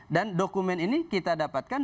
dan dokumen ini kita dapatkan